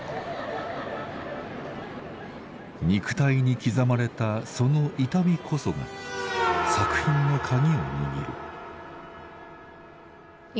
肉体に刻まれたその痛みこそが作品のカギを握る。